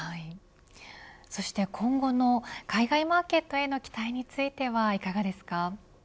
そして今後の海外マーケットへの期待についてはいかがですか。